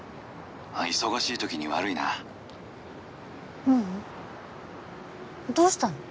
☎忙しい時に悪いなううんどうしたの？